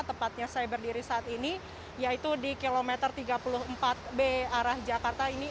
tepatnya saya berdiri saat ini yaitu di kilometer tiga puluh empat b arah jakarta ini